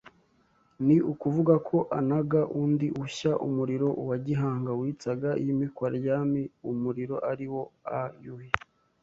Ni ukuvuga ko anaga undi ushya umuriro wa Gihanga witsaga iyimikwa ry’ami ’umuriro ari o a Yuhi